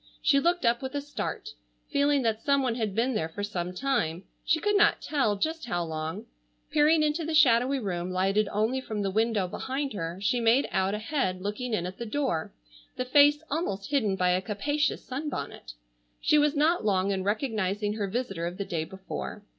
She looked up with a start, feeling that some one had been there for some time, she could not tell just how long. Peering into the shadowy room lighted only from the window behind her, she made out a head looking in at the door, the face almost hidden by a capacious sunbonnet. She was not long in recognizing her visitor of the day before.